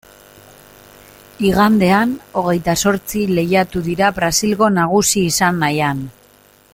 Igandean, hogeita zortzi, lehiatu dira Brasilgo nagusi izan nahian.